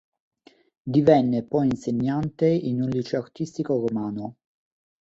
Divenne poi insegnante in un liceo artistico romano.